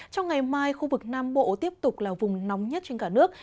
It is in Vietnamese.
trong ngày mai khu vực nam bộ tiếp tục là vùng nóng nhất trên cả nước